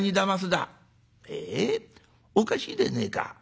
おかしいでねえか。